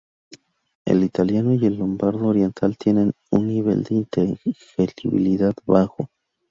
El italiano y el lombardo oriental tienen un nivel de inteligibilidad bajo.